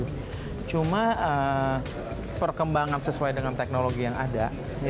pada saat itu perkembangan jaman kita masih berdiri pada teknologi yang ada